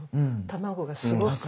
卵がすごく。